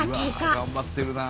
頑張ってるなあ。